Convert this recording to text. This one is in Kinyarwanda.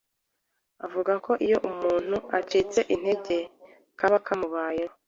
avuga ko iyo umuntu acitse intege kaba kamubayeho.